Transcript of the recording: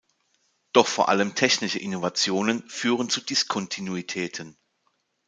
Doch vor allem technische Innovationen führen zu Diskontinuitäten.